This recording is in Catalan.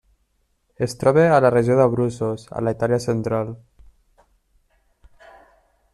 Es troba a la regió d'Abruços a la Itàlia central.